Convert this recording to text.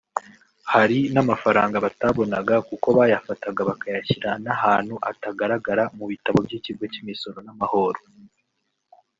Hari n’amafaranga batabonaga kuko bayafataga bakayashyira n’ahantu atagaragara mu bitabo by’Ikigo cy’Imisoro n’amahoro